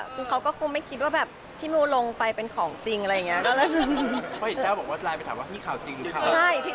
เรียกว่าคงไม่คิดว่าแบบเธ๊มว่าลงไปเป็นของจริงอะไรอย่างนี้